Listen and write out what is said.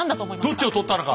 どっちを取ったのか？